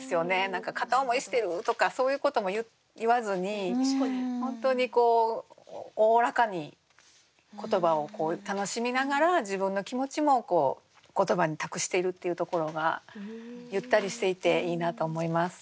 何か片思いしてるとかそういうことも言わずに本当にこうおおらかに言葉を楽しみながら自分の気持ちも言葉に託しているっていうところがゆったりしていていいなと思います。